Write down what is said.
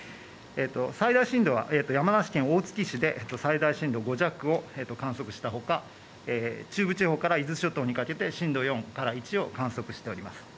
最大震度は山梨県大月市で最大震度５弱を観測したほか中部地方から伊豆諸島にかけて震度４から１を観測しております。